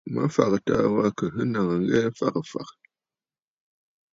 Mafàgə̀ taà wa à kɨ̀ sɨ́ nàŋə̀ ŋghɛɛ fagə̀ fàgə̀.